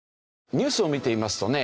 ニュースを見ていますとね